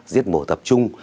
giết bổ tập trung